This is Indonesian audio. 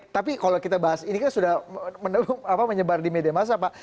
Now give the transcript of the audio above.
tapi kalau kita bahas ini kan sudah menyebar di media masa pak